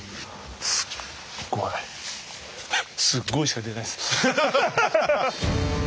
すっごいしか出ないっす。